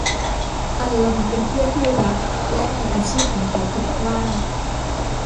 อัลลันเป็นเพื่อนที่รักและในอาชีพของเขาผิดพลาด